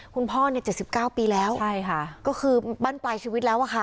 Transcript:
คุณพ่อเนี่ย๗๙ปีแล้วใช่ค่ะก็คือบ้านปลายชีวิตแล้วอะค่ะ